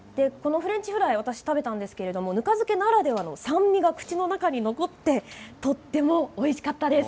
私、食べたんですけどぬか漬けならではの酸味が口の中に残ってとてもおいしかったです。